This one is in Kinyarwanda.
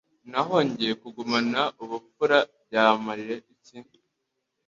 Naho jye kugumana ubupfura byamariye iki